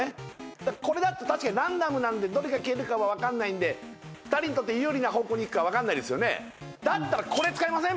ただこれだと確かにランダムなんでどれが消えるかは分かんないんで２人にとって有利な方向にいくか分かんないですよねだったらこれ使いません？